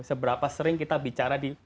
seberapa sering kita bicara di